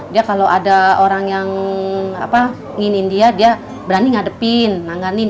dia kalau ada orang yang nginin dia dia berani ngadepin nanganin